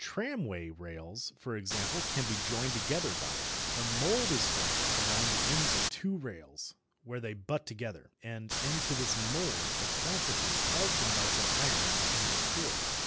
Tramway rails, for example, can be joined together by it. A mould is formed around the ends of two rails, where they "butt" together, and into this mould a quantity of the melted iron can be poured.